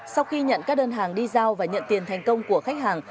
sau khi nhận các đơn hàng đi giao và nhận tiền thành công của khách hàng